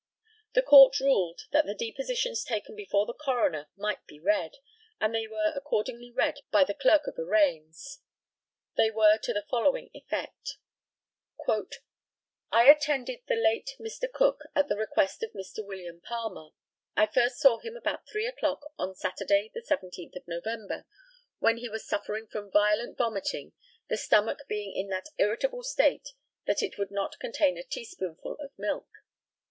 The COURT ruled that the depositions taken before the coroner might be read; and they were accordingly read by the Clerk of Arraigns. They were to the following effect: "I attended the late Mr. Cook at the request of Mr. William Palmer. I first saw him about three o'clock on Saturday, the 17th of November, when he was suffering from violent vomiting, the stomach being in that irritable state that it would not contain a teaspoonful of milk.